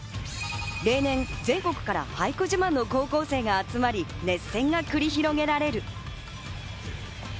例年、全国から俳句自慢の高校生が集まり、熱戦が繰り広げられる。